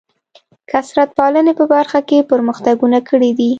کثرت پالنې په برخه کې پرمختګونه کړي دي.